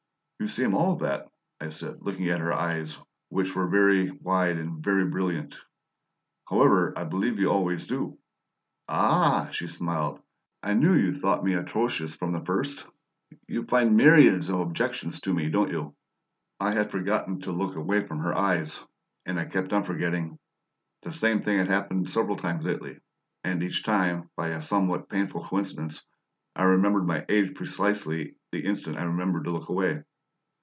"You seem all of that," I said, looking at her eyes, which were very wide and very brilliant. "However, I believe you always do." "Ah!" she smiled. "I knew you thought me atrocious from the first. You find MYRIADS of objections to me, don't you?" I had forgotten to look away from her eyes, and I kept on forgetting. (The same thing had happened several times lately; and each time, by a somewhat painful coincidence, I remembered my age at precisely the instant I remembered to look away.)